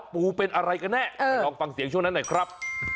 ปูเป็นอะไรกันแน่ไปลองฟังเสียงช่วงนั้นหน่อยครับ